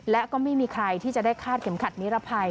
และก็ไม่มีใครที่จะได้คาดเข็มขัดนิรภัย